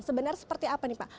sebenarnya seperti apa nih pak